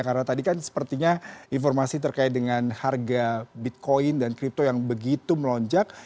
karena tadi kan sepertinya informasi terkait dengan harga bitcoin dan kripto yang begitu melonjak